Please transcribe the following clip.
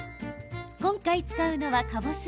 今回、使うのは、かぼす。